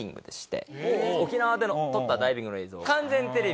沖縄で撮ったダイビングの映像。